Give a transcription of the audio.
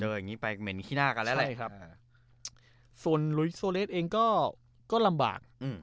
อย่างงี้ไปเหม็นขี้หน้ากันแล้วแหละใช่ครับส่วนลุยโซเลสเองก็ลำบากอืม